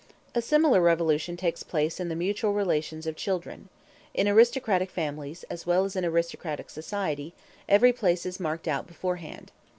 A similar revolution takes place in the mutual relations of children. In aristocratic families, as well as in aristocratic society, every place is marked out beforehand.